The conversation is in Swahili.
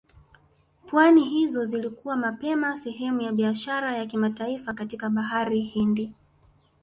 pwani hizo zilikuwa mapema sehemu ya biashara ya kimataifa katika Bahari Hindi